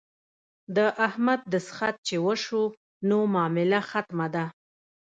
د احمد دستخط چې وشو نو معامله ختمه ده.